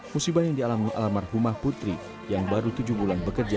musibah yang dialami almarhumah putri yang baru tujuh bulan bekerja